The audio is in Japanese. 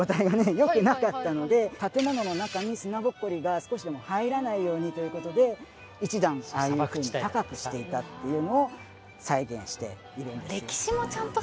よくなかったので建物の中に砂ぼこりが少しでも入らないようにということで１段ああいうふうに高くしていたっていうのを再現しているんですよ